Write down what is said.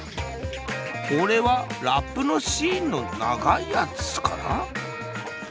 これはラップのしんのながいやつかな？